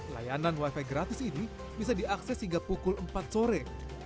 layanan wifi gratis ini bisa diakses hingga pukul empat sore